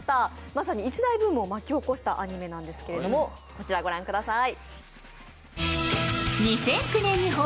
まさに一大ブームを巻き起こしたアニメなんですけれどもこちらをご覧ください。